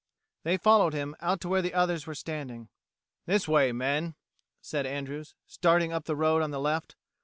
They followed him, out to where the others were standing. "This way, men," said Andrews, starting up the road on the left.